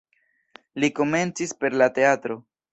Li komencis per la teatro.